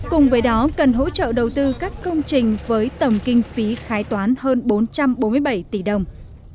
cùng với đó cần hỗ trợ đầu tư các công trình với tầm kinh phí khai toán hơn bốn trăm bốn mươi bảy tỷ đồng